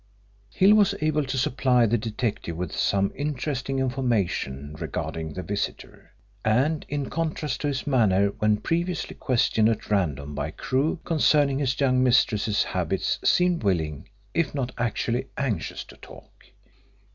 Hill was able to supply the detective with some interesting information regarding the visitor, and, in contrast to his manner when previously questioned at random by Crewe, concerning his young mistress's habits, seemed willing, if not actually anxious, to talk.